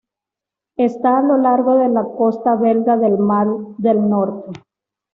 Esta a lo largo de la costa belga del Mar del Norte.